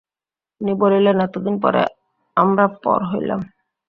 উনি বলিলেন, এতদিন পরে আমরা পর হইলাম!